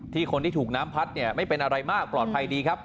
ที่คนที่ถูกน้ำพัดเนี้ยไม่เป็นอะไรมาก